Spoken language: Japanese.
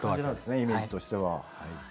イメージとしては。